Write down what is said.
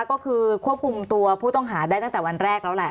ก็คือควบคุมตัวผู้ต้องหาได้ตั้งแต่วันแรกแล้วแหละ